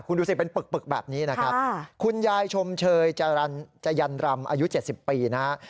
คุณดูสิเป็นปึกปึกแบบนี้นะครับคุณยายชมเชยจะรันจะยันรรมอายุเจ็ดสิบปีนะฮะ